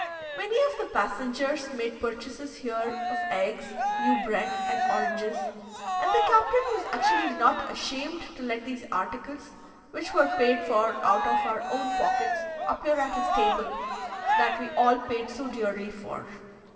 Many of the passengers made purchases here of eggs, new bread, and oranges, and the captain was actually not ashamed to let these articles, which were paid for out of our own pockets, appear at his table that we all paid so dearly for.